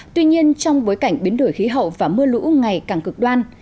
tuy nhiên trong bối cảnh biến đổi khí hậu và mưa lũ ngày càng cực đoan